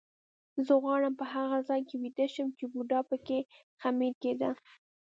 زه غواړم په هغه ځای کې ویده شم چې بوډا به پکې خمیر کېده.